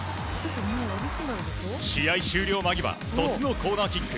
試合終了間際鳥栖のコーナーキック。